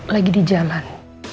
lagi di jalan